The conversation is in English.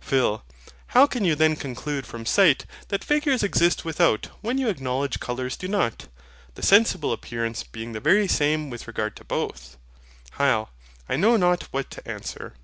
PHIL. How can you then conclude from sight that figures exist without, when you acknowledge colours do not; the sensible appearance being the very same with regard to both? HYL. I know not what to answer.